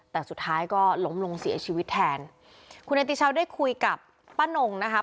แต่สุดท้ายก็ล้มลงเสียชีวิตแทนคุณเนติชาวได้คุยกับป้านงนะคะ